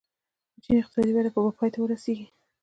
د چین اقتصادي وده به پای ته ورسېږي.